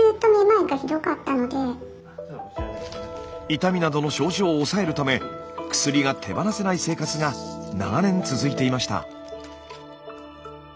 痛みなどの症状を抑えるため薬が手放せない生活が長年続いていました。